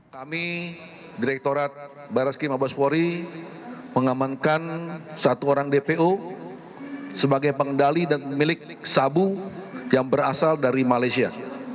kami direktorat baris krim abaspori mengamankan satu orang dpo sebagai pengendali dan milik sabu yang berasal dari malaysia